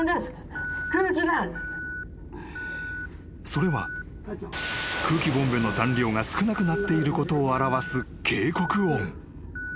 ［それは空気ボンベの残量が少なくなっていることを表す警告音］